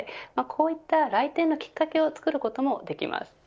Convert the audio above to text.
こういった来店のきっかけを作ることもできます。